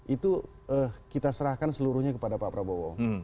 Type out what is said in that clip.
itu kita serahkan seluruhnya kepada pak prabowo